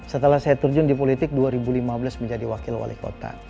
setelah saya terjun di politik dua ribu lima belas menjadi wakil wali kota